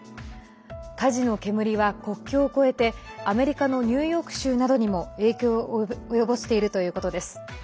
火事の煙は国境を越えてアメリカのニューヨーク州などにも影響を及ぼしているということです。